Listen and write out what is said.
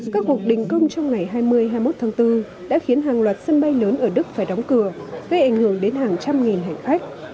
các cuộc đình công trong ngày hai mươi hai mươi một tháng bốn đã khiến hàng loạt sân bay lớn ở đức phải đóng cửa gây ảnh hưởng đến hàng trăm nghìn hành khách